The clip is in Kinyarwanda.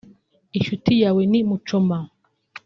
inshuti yawe ni mucoma